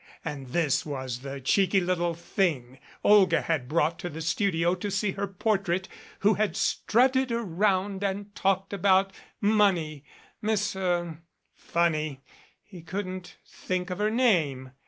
And this was the cheeky little thing Olga had brought to the studio to see her portrait, who had strutted around and talked about money Miss er funny he couldn't think of her name